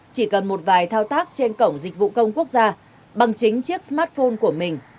chỉ cần một vài thao tác trên cổng dịch vụ công quốc gia bằng chính chiếc smartphone của mình